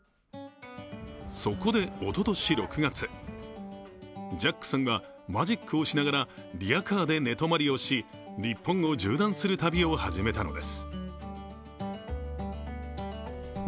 そこで、おととし６月、ジャックさんは、マジックをしながら、リヤカーで寝泊まりをし日本を縦断する旅を始めたのです。